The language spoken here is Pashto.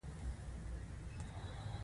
د بادغیس په قادس کې د پستې ځنګلونه دي.